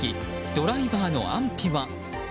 ドライバーの安否は？